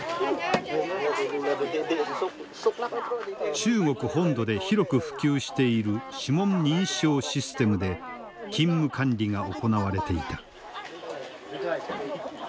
中国本土で広く普及している指紋認証システムで勤務管理が行われていた。